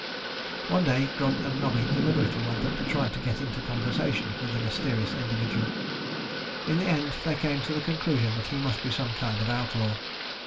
One day Grunt and Nobby deliberately went up to try to get into conversation with the mysterious individual. In the end they came to the conclusion that he must be some kind of outlaw.